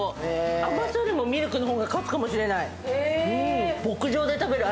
甘さでもミルクの方が勝つかもしれない。